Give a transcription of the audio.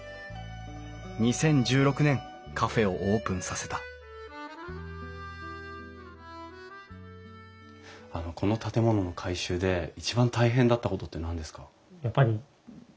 ２０１６年カフェをオープンさせたこの建物の改修で一番大変だったことって何ですか？